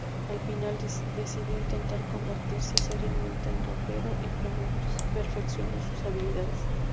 Al final, decidió intentar convertirse seriamente en rapero, y perfeccionó sus habilidades.